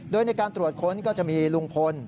โดยในการตรวจค้นก็จะมีลุงพล